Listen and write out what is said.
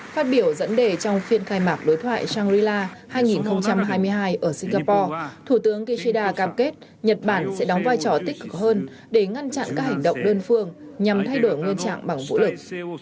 phát biểu dẫn đề trong phiên khai mạc đối thoại shangri la hai nghìn hai mươi hai ở singapore thủ tướng kishida cam kết nhật bản sẽ đóng vai trò tích cực hơn để ngăn chặn các hành động đơn phương nhằm thay đổi nguyên trạng bằng vũ lực